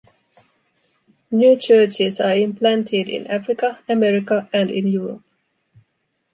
New churches are implanted in Africa, America and in Europe.